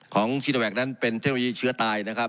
ของชีโนแวคนั้นเป็นเทคโนโลยีเชื้อตาย